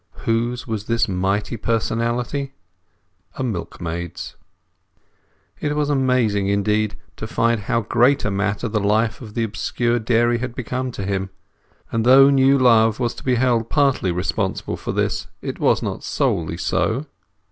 Whose was this mighty personality? A milkmaid's. It was amazing, indeed, to find how great a matter the life of the obscure dairy had become to him. And though new love was to be held partly responsible for this, it was not solely so.